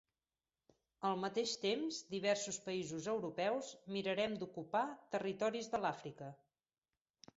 Al mateix temps diversos països europeus mirarem d'ocupar territoris de l'Àfrica.